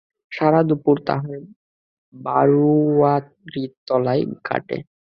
সারা দুপুর তাহার বারোয়ারিতলায় কাটে।